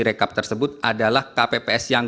rekap tersebut adalah kpps yang